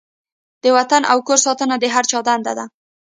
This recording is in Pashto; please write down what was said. د وطن او کور ساتنه د هر چا دنده ده.